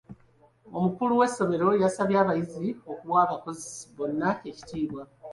Omukulu w'essomero yasabye abayizi okuwa abakozi bonna ekitiibwa.